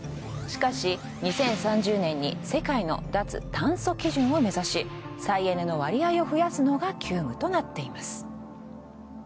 しかし２０３０年に世界の脱炭素基準を目指し再エネの割合を増やすのが急務となっています。